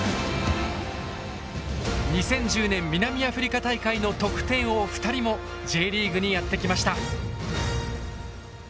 ２０１０年南アフリカ大会の得点王２人もＪリーグにやって来ました。